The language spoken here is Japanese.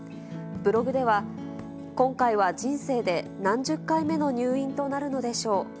ブログでは、今回は人生で何十回目の入院となるのでしょう。